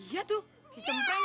iya tuh dicempreng tuh